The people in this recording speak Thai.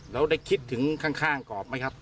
แล้วได้คิดถึงข้างกรอบไหมครับ